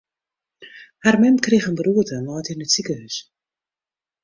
Har mem krige in beroerte en leit yn it sikehús.